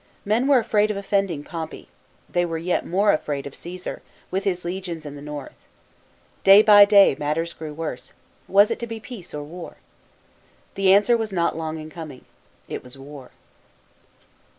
Men were afraid of offending Pompey ; they were yet more afraid of Caesar, with his legions in the north. Day by day matters grew worse ; was it to be peace or w r ar ? The answer was not long in coming. It was war.